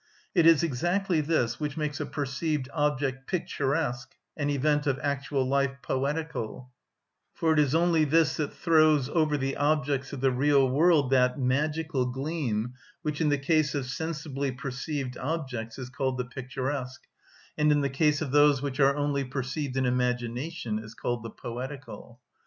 It is exactly this which makes a perceived object picturesque, an event of actual life poetical; for it is only this that throws over the objects of the real world that magic gleam which in the case of sensibly perceived objects is called the picturesque, and in the case of those which are only perceived in imagination is called the poetical.